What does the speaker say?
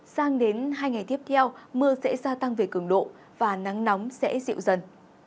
sang đến hai ngày tiếp theo mưa sẽ gia tăng về cường độ và nắng nóng sẽ dịu dần